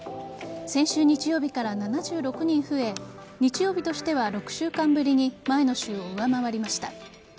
先週日曜日から７６人増え日曜日としては６週間ぶりに前の週を上回りました。